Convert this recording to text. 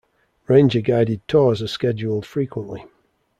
Ranger-guided tours are scheduled frequently.